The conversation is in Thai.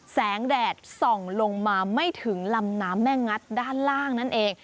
แดดส่องลงมาไม่ถึงลำน้ำแม่งัดด้านล่างนั่นเอง